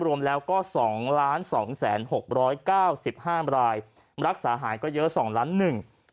รวมแล้วก็๒๒๖๙๕รายรักษาหายก็เยอะ๒ล้านหนึ่ง